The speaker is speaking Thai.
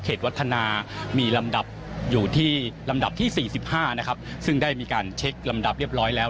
วัฒนามีลำดับอยู่ที่ลำดับที่สี่สิบห้านะครับซึ่งได้มีการเช็คลำดับเรียบร้อยแล้ว